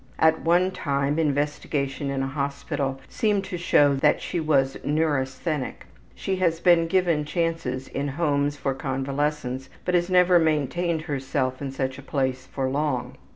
At one time investigation in a hospital seemed to show that she was neurasthenic. She has been given chances in homes for convalescents, but has never maintained herself in such a place for long.